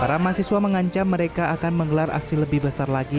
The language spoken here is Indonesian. para mahasiswa mengancam mereka akan menggelar aksi lebih besar lagi